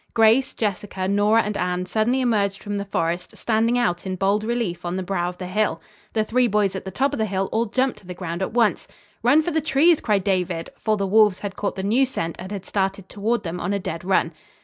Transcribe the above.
Grace, Jessica, Nora and Anne suddenly emerged from the forest, standing out in bold relief on the brow of the hill. The three boys at the top of the hill all jumped to the ground at once. "Run for the trees," cried David, for the wolves had caught the new scent and had started toward them on a dead run.